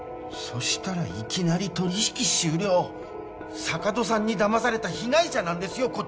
そしたらいきなり取引終了坂戸さんにだまされた被害者なんですよ